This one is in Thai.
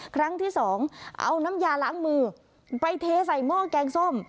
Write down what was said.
ครั้งที่สองเอาน้ำยาล้างมือไปเทใส่หม้อแกงส้ม